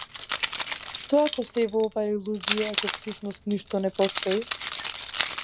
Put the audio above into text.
Што ако сево ова е илузија и ако всушност ништо не постои?